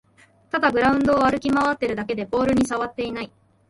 ただグラウンドを歩き回ってるだけでボールにさわっていない